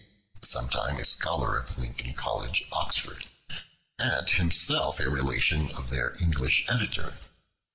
sometime a scholar of Lincoln College, Oxford, and himself a relation of their English editor.